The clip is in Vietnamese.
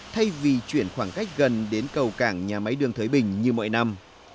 thay vì chuyển khoảng cách gần đến cầu cảng nhà máy đường thới bình như mọi năm